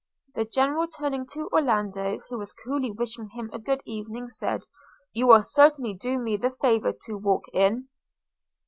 The General, turning to Orlando, who was coolly wishing him a good evening, said – 'You will certainly do me the favour to walk in?'